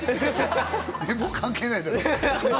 寝坊関係ないだろ。